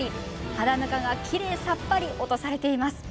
肌ぬかがきれいさっぱり落とされています。